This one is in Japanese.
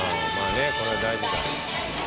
これは大事だ。